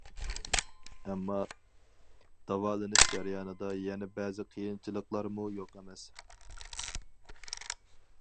ئەمما، داۋالىنىش جەريانىدا يەنە بەزى قىيىنچىلىقلارمۇ يوق ئەمەس.